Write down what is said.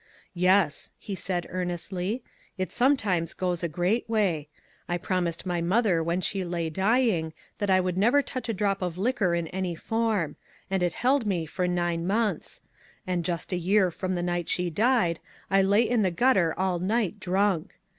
"Yes," he said, earnestly, "it sometimes goes a great way. I promised my mother when she lay dying that I would never touch a drop of liquor in any form ; and it held me for nine months ; and just a year from the night she died, I lay in the gutter all night drunk